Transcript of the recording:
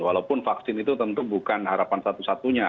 walaupun vaksin itu tentu bukan harapan satu satunya